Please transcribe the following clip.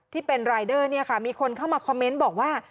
ที่เป็นรายเดอร์เนี่ยค่ะมีคนเข้ามาคอมเมนต์บอกว่า